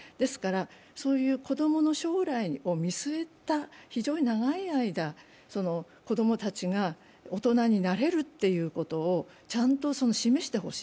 そういう子供の将来を見据えた非常に長い間、子供たちが大人になれるということをちゃんと示してほしい。